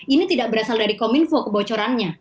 ini tidak berasal dari kominfo kebocorannya